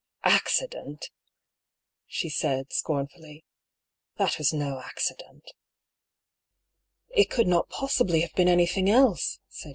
^'Accident!" she said, scornfully. "That was no accident." " It could not possibly have been anything else," said.